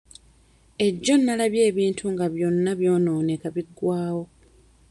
Ejjo nnalabye ebintu nga byonna byonooneka biggwawo.